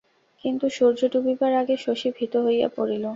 কিন্তু সূর্য ডুবিবার আগে শশী ভীত হইয়া পড়িল।